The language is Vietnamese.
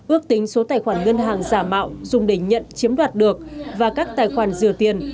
ước tính số tài khoản ngân hàng giả mạo dùng để nhận chiếm đoạt được và các tài khoản rửa tiền